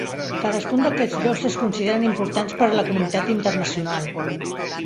Cadascun d'aquests llocs es consideren importants per a la comunitat internacional.